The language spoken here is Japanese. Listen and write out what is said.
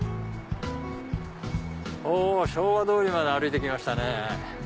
昭和通りまで歩いて来ましたね。